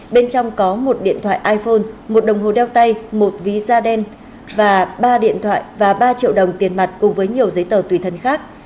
bên trong có một điện thoại iphone một đồng hồ đeo tay một ví da đen và ba điện thoại và ba triệu đồng tiền mặt cùng với nhiều giấy tờ tùy thân khác